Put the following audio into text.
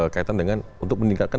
kaitan dengan untuk meningkatkan